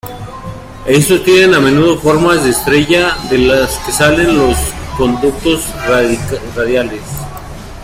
Estos tienen a menudo forma de estrella de la que salen los conductos radiales.